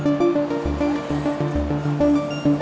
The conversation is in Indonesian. oke saya pergi dulu